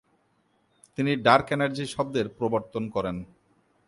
তিনি "dark energy" শব্দের প্রবর্তন করেন।